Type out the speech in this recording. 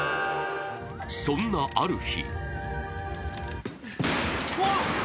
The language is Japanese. そんなある日。